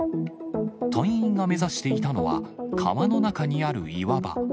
隊員が目指していたのは、川の中にある岩場。